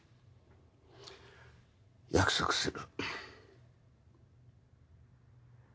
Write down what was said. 約束する。